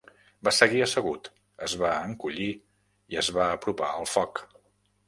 Va seguir assegut, es va encollir i es va apropar al foc.